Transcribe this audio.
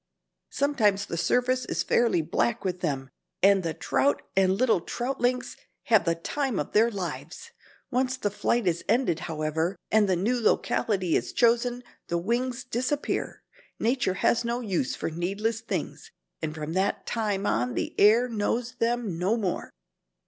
Sometimes the surface is fairly black with them and the trout and little troutlings have the time of their lives. Once the flight is ended, however, and the new locality chosen, the wings disappear. Nature has no use for needless things and from that time on the air knows them no more.